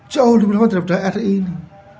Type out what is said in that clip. jauh lebih lama daripada ri ini